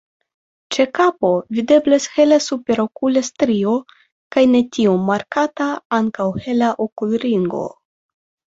Ĉe kapo videblas hela superokula strio kaj ne tiom markata ankaŭ hela okulringo.